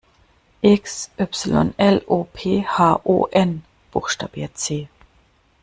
"X Y L O P H O N", buchstabiert sie.